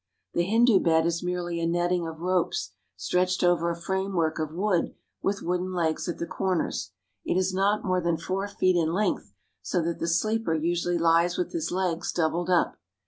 The Hindu bed is merely a netting of ropes, stretched over a frame work of wood with wooden legs at the corners. It is not more than four feet in length, so that the sleeper usually lies with his legs doubled up.